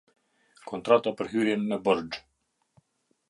Kontrata për hyrjen në borxh.